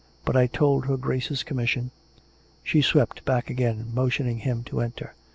But I hold her Grace's commission " She swept back again, motioning him to enter.